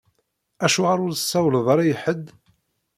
Acuɣeṛ ur tsawleḍ ara i ḥedd?